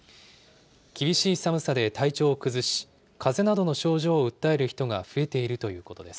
厳しい寒さで体調を崩し、かぜなどの症状を訴える人が増えているということです。